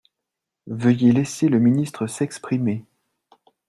Veuillez laisser le ministre s’exprimer.